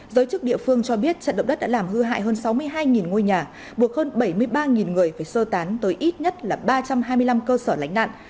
giới chức địa phương cho biết trận động đất đã làm hư hại hơn sáu mươi hai ngôi nhà buộc hơn bảy mươi ba người phải sơ tán tới ít nhất là ba trăm hai mươi năm cơ sở lánh nạn